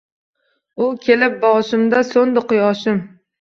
U kelib boshimda so’ndi quyoshim